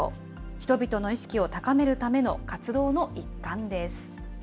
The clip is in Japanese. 人々の意識を高めるための活動の一環です。